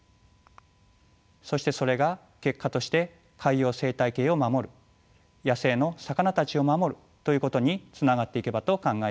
そしてそれが結果として海洋生態系を守る野生の魚たちを守るということにつながっていけばと考えています。